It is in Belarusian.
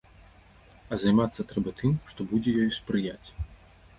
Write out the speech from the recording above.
А займацца трэба тым, што будзе ёй спрыяць.